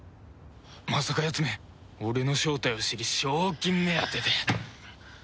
まさかやつめ俺の正体を知り賞金目当てで